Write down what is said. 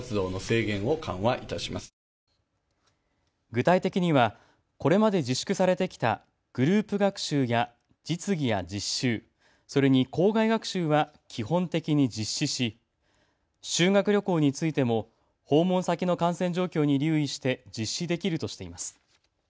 具体的にはこれまで自粛されてきたグループ学習や実技や実習、それに校外学習は基本的に実施し修学旅行についても訪問先の感染状況に留意して実施できるとしています。